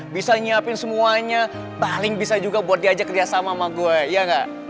bisa nyiapin semuanya paling bisa juga buat diajak kerja sama sama gue iya gak